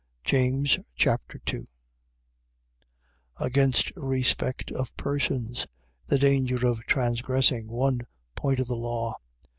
James Chapter 2 Against respect of persons. The danger of transgressing one point of the law.